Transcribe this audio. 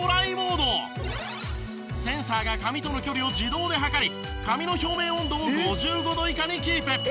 センサーが髪との距離を自動で測り髪の表面温度を５５度以下にキープ。